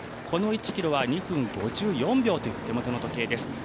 この１ｋｍは２分５４秒という手元の時計です。